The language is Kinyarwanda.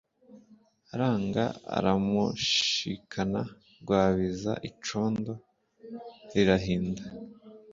aranga aramunshikana Rwabiza icondo rirahinda